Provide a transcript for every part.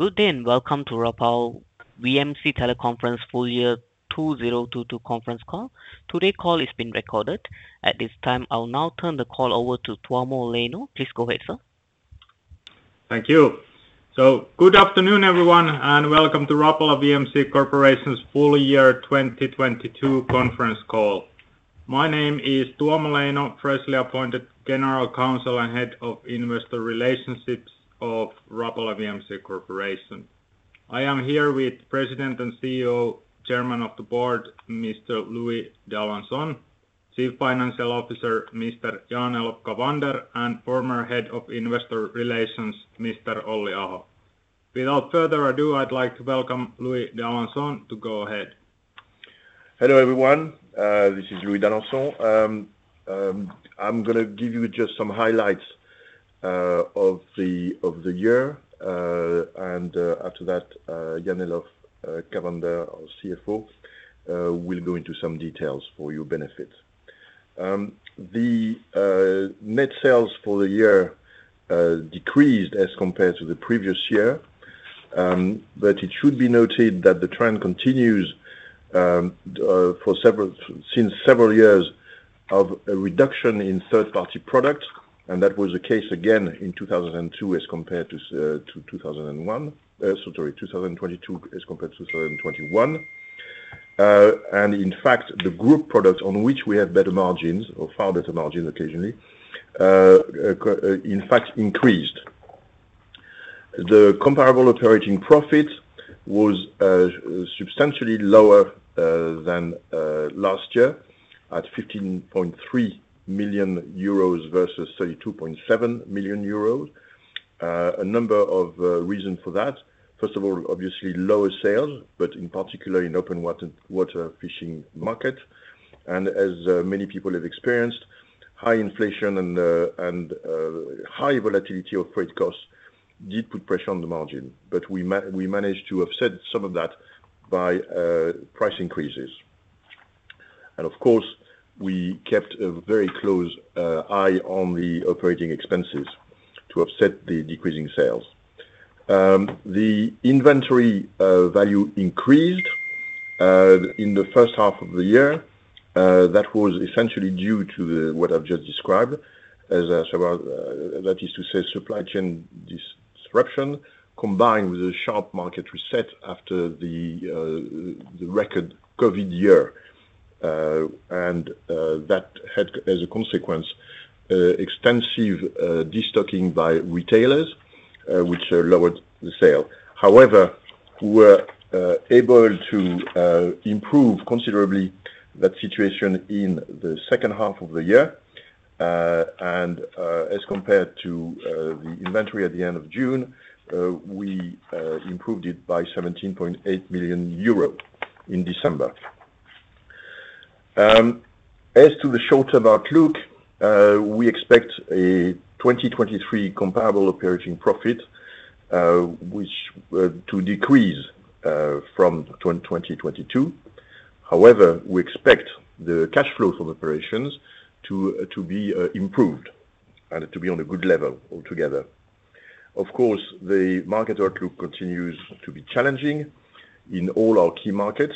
Good day, welcome to Rapala VMC Teleconference Full Year 2022 conference call. Today call is being recorded. At this time, I'll now turn the call over to Tuomo Leino. Please go ahead, sir. Thank you. Good afternoon, everyone, and welcome to Rapala VMC Corporation's full year 2022 conference call. My name is Tuomo Leino, freshly appointed General Counsel and Head of Investor Relations of Rapala VMC Corporation. I am here with President and CEO, Chairman of the Board, Mr. Louis d'Alançon, Chief Financial Officer, Mr. Jan-Elof Cavander, and former Head of Investor Relations, Mr. Olli Aho. Without further ado, I'd like to welcome Louis d'Alançon to go ahead. Hello, everyone. This is Louis d'Alançon. I'm gonna give you just some highlights of the, of the year. After that, Jan-Elof Cavander, our CFO, will go into some details for your benefit. The net sales for the year decreased as compared to the previous year. It should be noted that the trend continues since several years of a reduction in third-party product, and that was the case again in 2002 as compared to 2001. Sorry, 2022 as compared to 2021. In fact, the group products on which we had better margins or far better margins occasionally, in fact, increased. The comparable operating profit was substantially lower than last year at 15.3 million euros versus 32.7 million euros. A number of reason for that, first of all, obviously lower sales, but in particular in open water fishing market. As many people have experienced, high inflation and high volatility of freight costs did put pressure on the margin. We managed to offset some of that by price increases. Of course, we kept a very close eye on the operating expenses to offset the decreasing sales. The inventory value increased in the first half of the year. That was essentially due to what I've just described as, that is to say supply chain disruption, combined with a sharp market reset after the record COVID year. That had as a consequence extensive de-stocking by retailers, which lowered the sale. We were able to improve considerably that situation in the second half of the year. As compared to the inventory at the end of June, we improved it by 17.8 million euro in December. As to the short-term outlook, we expect a 2023 comparable operating profit, which to decrease from 2022. We expect the cash flows from operations to be improved and to be on a good level altogether. Of course, the market outlook continues to be challenging in all our key markets.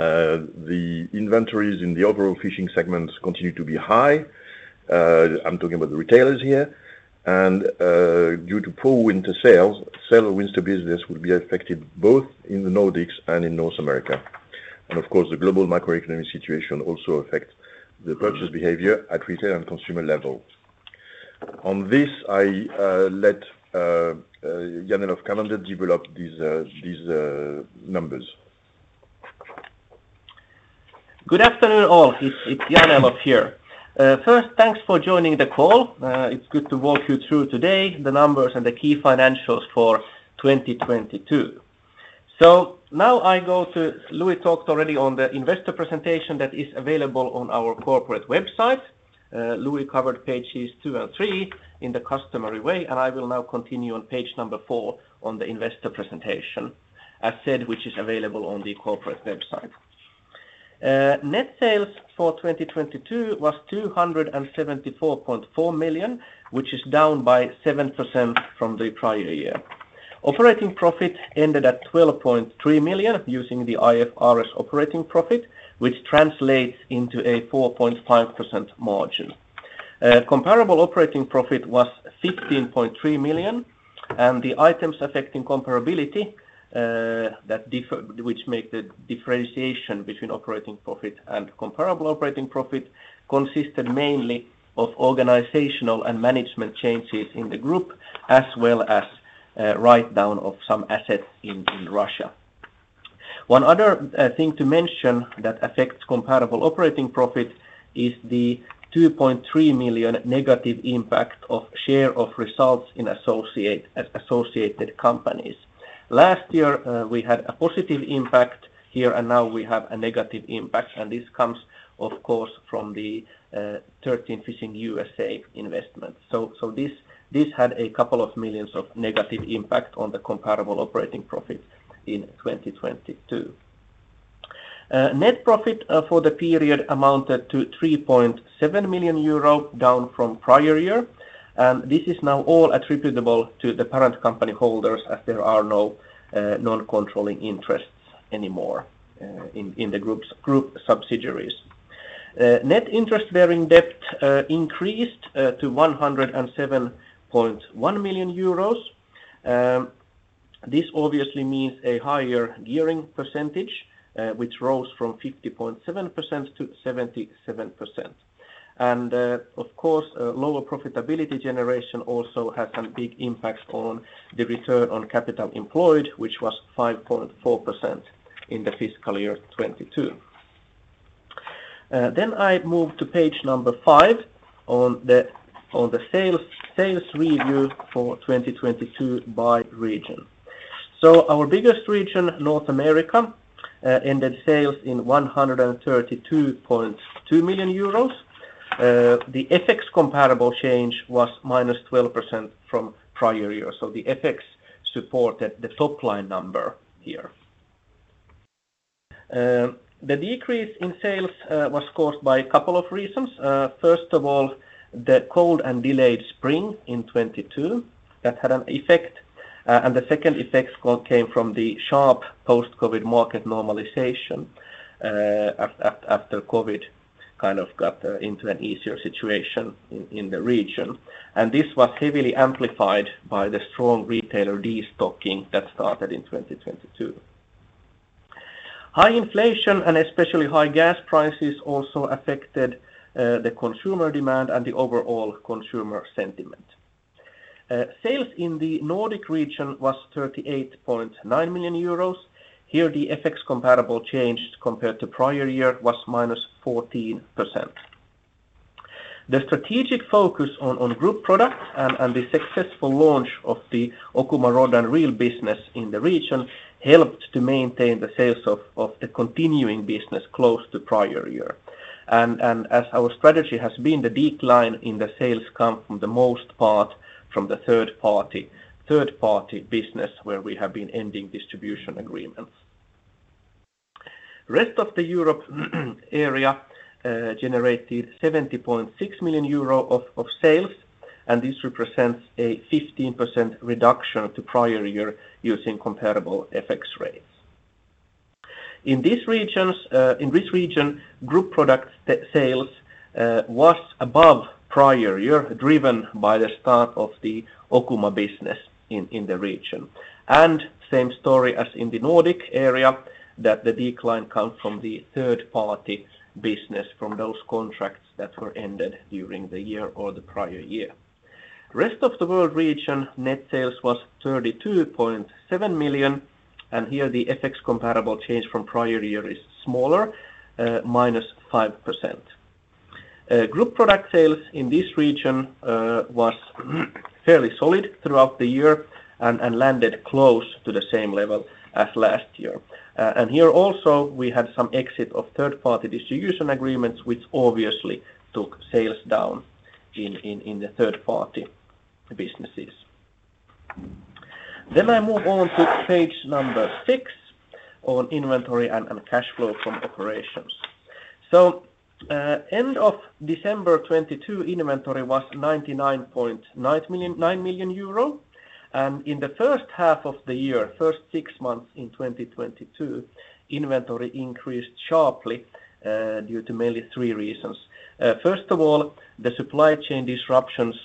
The inventories in the overall fishing segments continue to be high. I'm talking about the retailers here. Due to poor winter sales, sail or winter business will be affected both in the Nordics and in North America. The global macroeconomic situation also affect the purchase behavior at retail and consumer level. On this, I let Jan-Elof Cavander develop these numbers. Good afternoon, all. It's Jan-Olov here. First, thanks for joining the call. It's good to walk you through today the numbers and the key financials for 2022. Now I go to Louis talked already on the investor presentation that is available on our corporate website. Louis covered pages 2 and 3 in the customary way, and I will now continue on page number 4 on the investor presentation, as said, which is available on the corporate website. Net sales for 2022 was 274.4 million, which is down by 7% from the prior year. Operating profit ended at 12.3 million using the IFRS operating profit, which translates into a 4.5% margin. Comparable operating profit was 15.3 million, and the items affecting comparability, which make the differentiation between operating profit and comparable operating profit, consisted mainly of organizational and management changes in the group, as well as a write down of some assets in Russia. One other thing to mention that affects comparable operating profit is the 2.3 million negative impact of share of results in associate, associated companies. Last year, we had a positive impact here, and now we have a negative impact, and this comes of course, from the 13 Fishing USA investment. This had a couple of millions of negative impact on the comparable operating profit in 2022. Net profit for the period amounted to 3.7 million euro, down from prior year. This is now all attributable to the parent company holders as there are no non-controlling interests anymore in the group's subsidiaries. Net interest-bearing debt increased to 107.1 million euros. This obviously means a higher gearing percentage, which rose from 50.7% to 77%. Of course, lower profitability generation also had some big impacts on the return on capital employed, which was 5.4% in the fiscal year 2022. I move to page number five on the sales review for 2022 by region. Our biggest region, North America, ended sales in 132.2 million euros. The FX comparable change was -12% from prior year. The FX supported the top-line number here. The decrease in sales was caused by a couple of reasons. First of all, the cold and delayed spring in 2022, that had an effect. The second effect came from the sharp post-COVID market normalization after COVID kind of got into an easier situation in the region. This was heavily amplified by the strong retailer destocking that started in 2022. High inflation and especially high gas prices also affected the consumer demand and the overall consumer sentiment. Sales in the Nordic region was 38.9 million euros. Here the FX comparable change compared to prior year was minus 14%. The strategic focus on group products and the successful launch of the Okuma rods and reels business in the region helped to maintain the sales of the continuing business close to prior year. As our strategy has been the decline in the sales come from the most part from the third-party business where we have been ending distribution agreements. Rest of the Europe area generated 70.6 million euro of sales. This represents a 15% reduction to prior year using comparable FX rates. In this region, group product sales was above prior year, driven by the start of the Okuma business in the region. Same story as in the Nordic area, that the decline comes from the third-party business, from those contracts that were ended during the year or the prior year. Rest of the world region net sales was 32.7 million. Here the FX comparable change from prior year is smaller, -5%. Group product sales in this region was fairly solid throughout the year and landed close to the same level as last year. Here also we had some exit of third-party distribution agreements, which obviously took sales down in the third-party businesses. I move on to page number six on inventory and cash flow from operations. End of December 2022, inventory was 99.9 million. In the first half of the year, first six months in 2022, inventory increased sharply due to mainly three reasons. First of all, the supply chain disruptions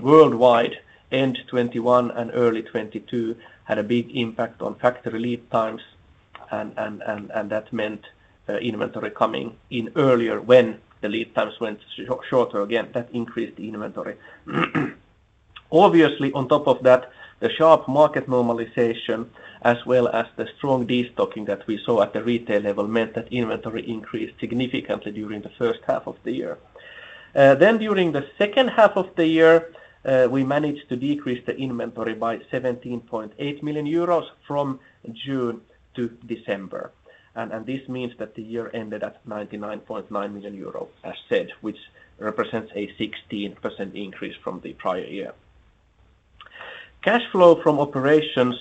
worldwide end 2021 and early 2022 had a big impact on factory lead times and that meant inventory coming in earlier when the lead times went shorter. Again, that increased the inventory. Obviously, on top of that, the sharp market normalization as well as the strong destocking that we saw at the retail level meant that inventory increased significantly during the first half of the year. During the second half of the year, we managed to decrease the inventory by 17.8 million euros from June to December. This means that the year ended at 99.9 million euros, as said, which represents a 16% increase from the prior year. Cash flow from operations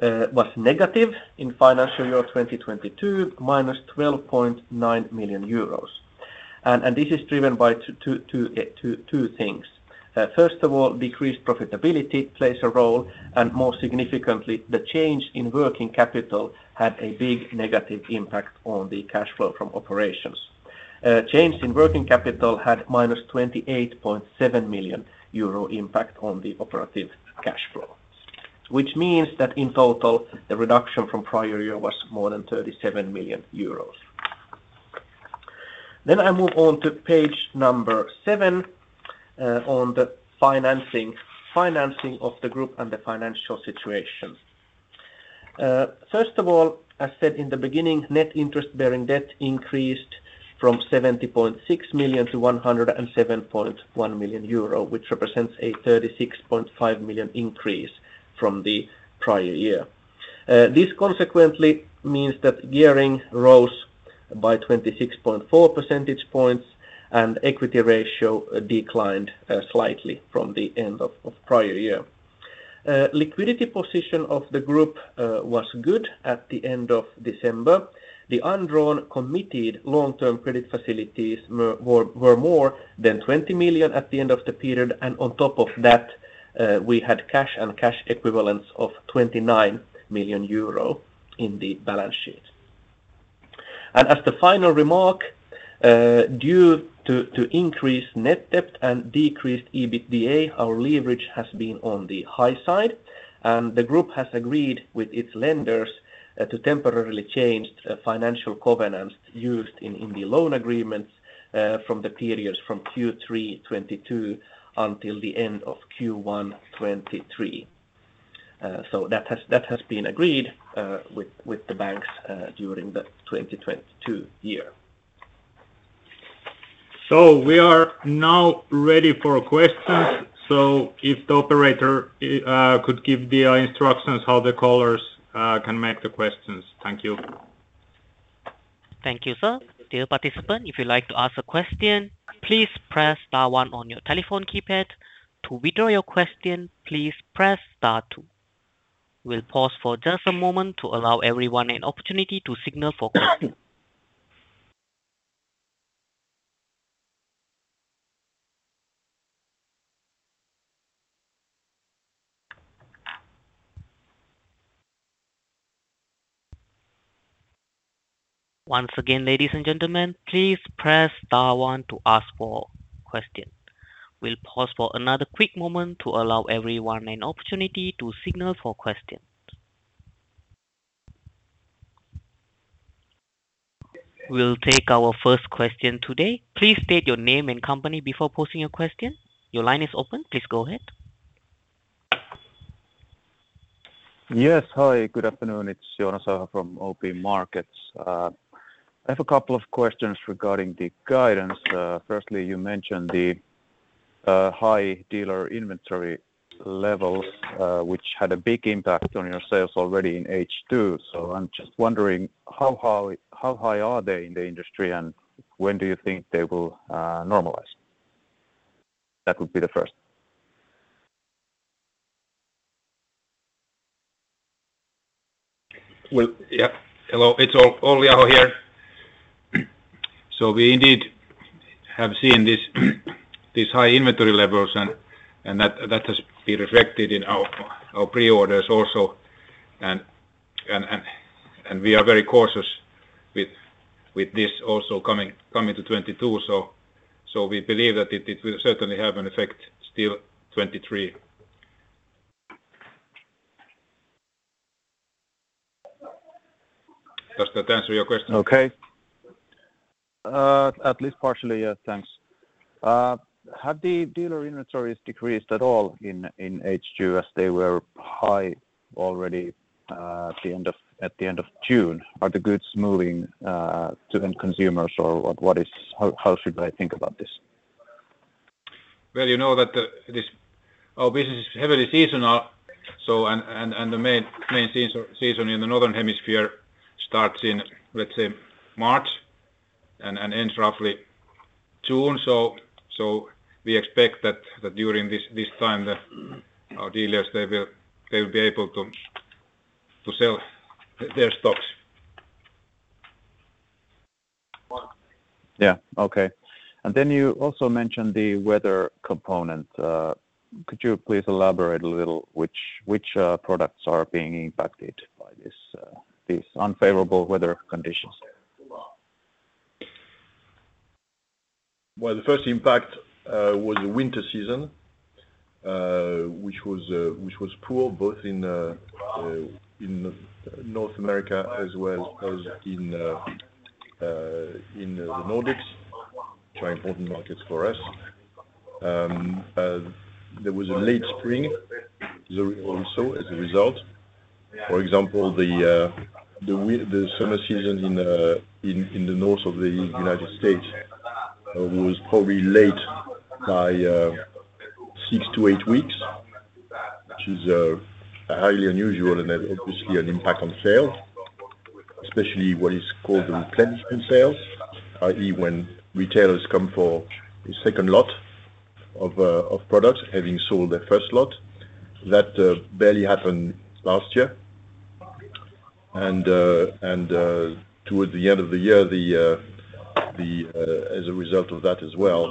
was negative in financial year 2022, -12.9 million euros. This is driven by two things. First of all, decreased profitability plays a role, and more significantly, the change in working capital had a big negative impact on the cash flow from operations. Change in working capital had minus 28.7 million euro impact on the operative cash flow. Means that in total, the reduction from prior year was more than 37 million euros. I move on to page 7, on the financing of the group and the financial situation. First of all, as said in the beginning, net interest-bearing debt increased from 70.6 million to 107.1 million euro, which represents a 36.5 million increase from the prior year. This consequently means that gearing rose by 26.4 percentage points and equity ratio declined, slightly from the end of prior year. Liquidity position of the group was good at the end of December. The undrawn committed long-term credit facilities were more than 20 million at the end of the period. On top of that, we had cash and cash equivalents of 29 million euro in the balance sheet. As the final remark, due to increased net debt and decreased EBITDA, our leverage has been on the high side. The group has agreed with its lenders to temporarily change the financial covenants used in the loan agreements from the periods from Q3 2022 until the end of Q1 2023. That has been agreed with the banks during the 2022 year. We are now ready for questions. If the operator, could give the instructions how the callers, can make the questions. Thank you. Thank you, sir. Dear participant, if you'd like to ask a question, please press star one on your telephone keypad. To withdraw your question, please press star two. We'll pause for just a moment to allow everyone an opportunity to signal for question. Once again, ladies and gentlemen, please press star one to ask for question. We'll pause for another quick moment to allow everyone an opportunity to signal for question. We'll take our first question today. Please state your name and company before posing your question. Your line is open. Please go ahead. Yes. Hi, good afternoon. It's Jonas Forsman OP Markets. I have a couple of questions regarding the guidance. Firstly, you mentioned the high dealer inventory levels, which had a big impact on your sales already in H2. I'm just wondering how high are they in the industry, and when do you think they will normalize? That would be the first. Well, yeah. Hello. It's Olli Aho here. We indeed have seen these high inventory levels and that has been reflected in our pre-orders also. And we are very cautious with this also coming to 2022. So we believe that it will certainly have an effect still 2023. Does that answer your question? Okay. At least partially, yeah. Thanks. Have the dealer inventories decreased at all in H2 as they were high already at the end of June? Are the goods moving to the end consumers or How should I think about this? Well, you know that our business is heavily seasonal, so. The main season in the Northern Hemisphere starts in, let's say, March and ends roughly June. We expect that during this time that our dealers, they will be able to sell their stocks. Yeah. Okay. Then you also mentioned the weather component. Could you please elaborate a little which products are being impacted by this unfavorable weather conditions? Well, the first impact was the winter season, which was poor both in North America as well as in the Nordics, which are important markets for us. There was a late spring also as a result. For example, the summer season in the North of the United States was probably late by 6-8 weeks, which is highly unusual and had obviously an impact on sales, especially what is called the replenishment sales, i.e., when retailers come for a second lot of products having sold their first lot. That barely happened last year. Towards the end of the year, the as a result of that as well,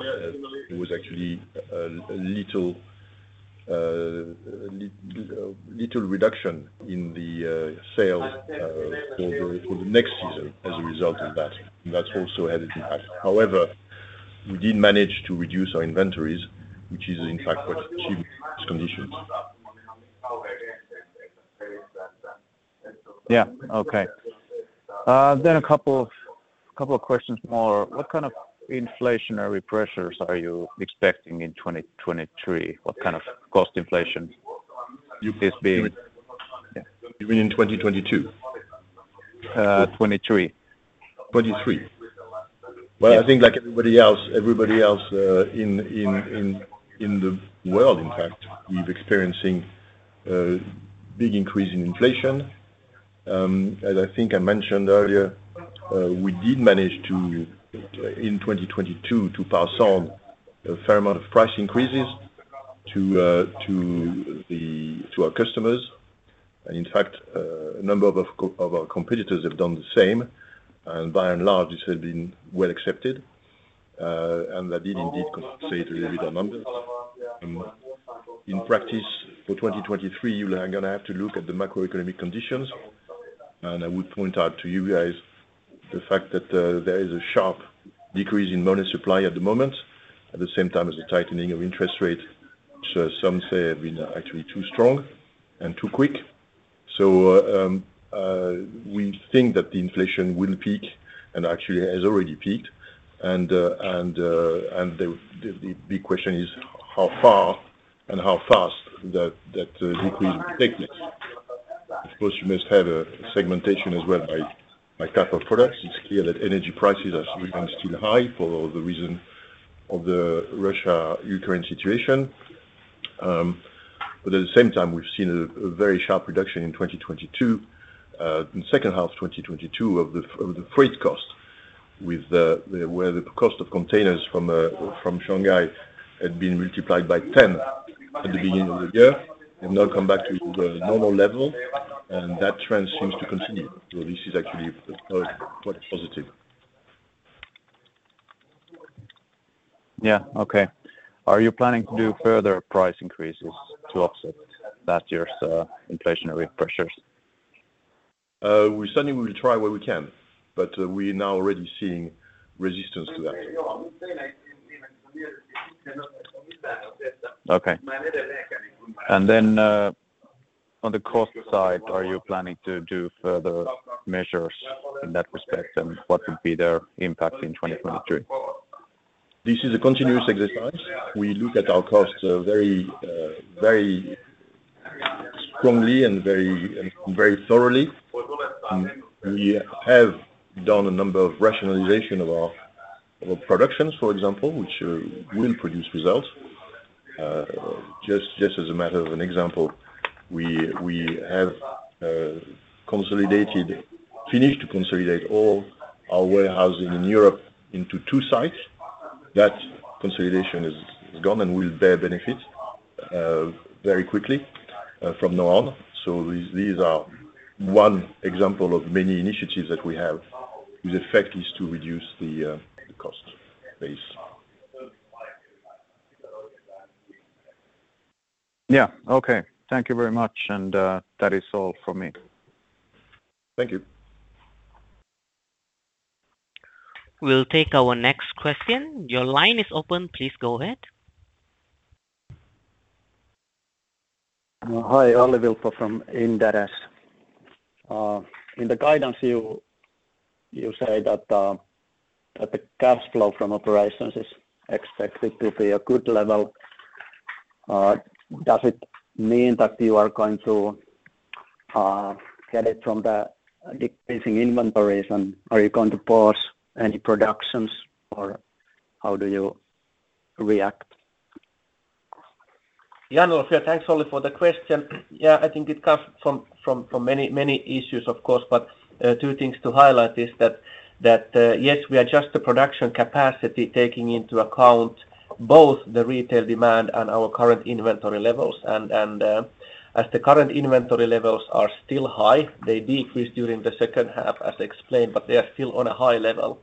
there was actually a little reduction in the sales for the next season as a result of that. That also had an impact. However, we did manage to reduce our inventories, which is in fact what achieved these conditions. Yeah. Okay. A couple of questions more. What kind of inflationary pressures are you expecting in 2023? What kind of cost inflation. You mean in 2022? 23. Twenty-three. Yes. Well, I think like everybody else, in the world, in fact, we're experiencing big increase in inflation. As I think I mentioned earlier, we did manage to, in 2022, to pass on a fair amount of price increases to our customers. In fact, a number of our, of our competitors have done the same, and by and large, this has been well accepted. That did indeed compensate a little bit our numbers. In practice for 2023, we are gonna have to look at the macroeconomic conditions. I would point out to you guys the fact that there is a sharp decrease in money supply at the moment, at the same time as a tightening of interest rates, which some say have been actually too strong and too quick. We think that the inflation will peak and actually has already peaked. The big question is how far and how fast that decrease will take next. Of course, you must have a segmentation as well by type of products. It's clear that energy prices are remaining still high for the reason of the Russia-Ukraine situation. At the same time, we've seen a very sharp reduction in 2022, in second half 2022 of the freight cost where the cost of containers from Shanghai had been multiplied by 10 at the beginning of the year and now come back to the normal level, and that trend seems to continue. This is actually quite positive. Yeah. Okay. Are you planning to do further price increases to offset last year's inflationary pressures? We certainly will try where we can, but we're now already seeing resistance to that. Okay. On the cost side, are you planning to do further measures in that respect, and what would be their impact in 2023? This is a continuous exercise. We look at our costs very, very strongly and very, very thoroughly. We have done a number of rationalization of our productions, for example, which will produce results. Just as a matter of an example, we have finished to consolidate all our warehousing in Europe into two sites. That consolidation is gone and will bear benefit very quickly from now on. These are one example of many initiatives that we have whose effect is to reduce the cost base. Yeah. Okay. Thank you very much. That is all from me. Thank you. We'll take our next question. Your line is open. Please go ahead. Hi, Olli Vilppo from Inderes. In the guidance, you say that the cash flow from operations is expected to be a good level. Does it mean that you are going to get it from the decreasing inventories? Are you going to pause any productions or how do you react? Jan-Elof Cavander, thanks, Olli, for the question. Yeah, I think it comes from many issues, of course, but two things to highlight is that yes, we adjust the production capacity taking into account both the retail demand and our current inventory levels. As the current inventory levels are still high, they decrease during the second half, as explained, but they are still on a high level.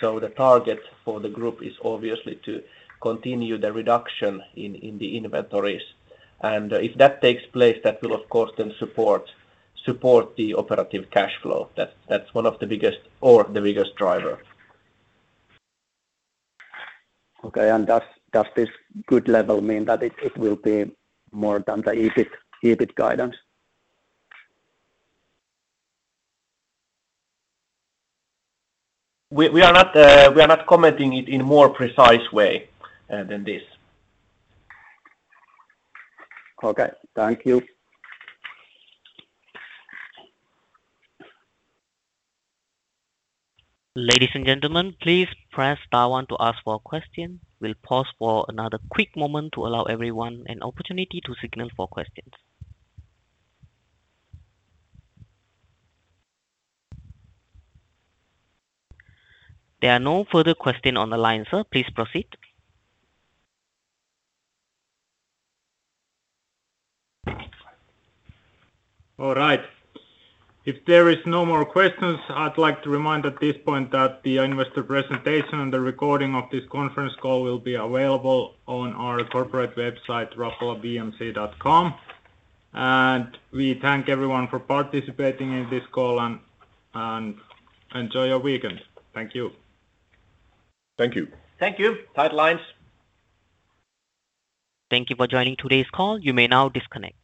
The target for the group is obviously to continue the reduction in the inventories. If that takes place, that will of course then support the operative cash flow. That's one of the biggest or the biggest driver. Okay. Does this good level mean that it will be more than the EBIT guidance? We are not commenting it in a more precise way than this. Okay. Thank you. Ladies and gentlemen, please press star one to ask for a question. We'll pause for another quick moment to allow everyone an opportunity to signal for questions. There are no further question on the line, sir. Please proceed. All right. If there is no more questions, I'd like to remind at this point that the investor presentation and the recording of this conference call will be available on our corporate website, rapalavmc.com. We thank everyone for participating in this call and enjoy your weekend. Thank you. Thank you. Thank you. Tight lines. Thank you for joining today's call. You may now disconnect.